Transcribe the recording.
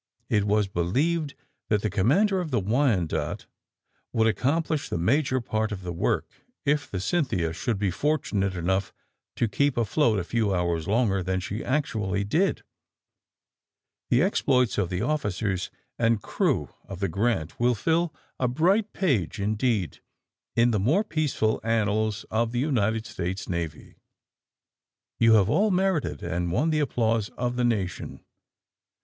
It was believed that the Commander of the *Wyanoke' would ac complish the major part of the work if the * Cynthia' should be fortunate enough to keep afloat a few hours longer than she actually did. The exploits of the officers and crew of the * Grant ' will fill a bright page indeed in the more peaceful annals of the United States Navy. You have all merited and won the applause of the Nation.''